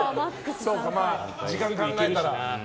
時間を考えたら。